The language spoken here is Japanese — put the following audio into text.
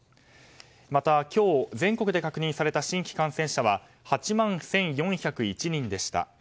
また今日、全国で確認された新規感染者は８万１４０１人でした。